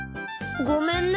ごめんね。